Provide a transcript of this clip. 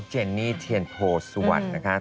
เจนนี่เทียนโพสวัสดิ์นะคะ